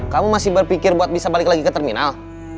kamu masih berpikir buat bisa balik lagi ke terminal